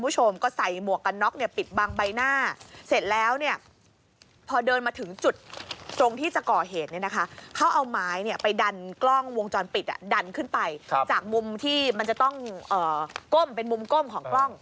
จากมุมที่มันจะต้องก้มเป็นมุมก้มของกล้อง